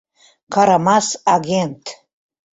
КАРАМАС АГЕНТ